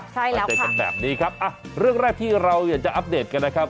ใช่แล้วเจอกันแบบนี้ครับอ่ะเรื่องแรกที่เราอยากจะอัปเดตกันนะครับ